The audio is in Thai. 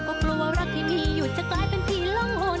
ก็กลัวว่ารักให้มีให้หยุดจะกลายเป็นผีลองหล่น